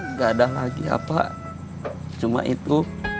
nggak ada lagi apa cuma itu